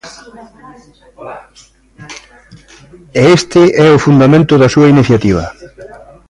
E este é o fundamento da súa iniciativa.